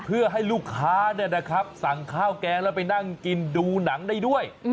เพื่อให้ลูกค้าสั่งข้าวแกงแล้วไปนั่งกินดูหนังได้ด้วย